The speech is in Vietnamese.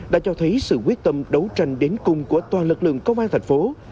đã cho thấy sự quyết tâm đấu tranh đến cùng của toàn lực lượng công an thành phố